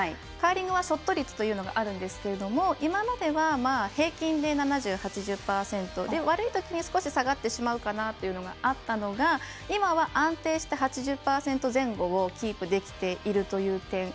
カーリングはショット率というのがあるんですけれども今までは平均で７０８０％で悪いときに少し下がってしまうかなというのがあったのが今は安定して８０％前後をキープできているという点。